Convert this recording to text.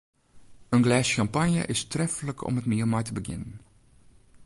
In glês sjampanje is treflik om it miel mei te begjinnen.